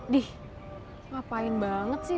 dih ngapain banget sih